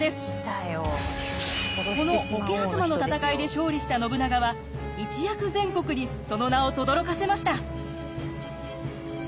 この桶狭間の戦いで勝利した信長は一躍全国にその名をとどろかせました。